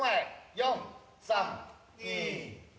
４３２。